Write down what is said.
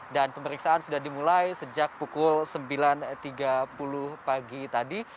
dan pemeriksaan sudah dimulai sejak pukul sembilan tiga puluh pagi tadi